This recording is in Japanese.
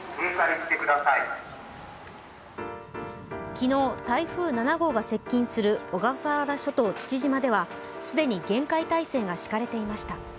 昨日、台風７号が接近する小笠原諸島・父島では既に厳戒態勢が敷かれていました。